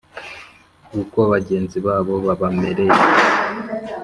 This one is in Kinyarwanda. uko bagenzi babo babamereye.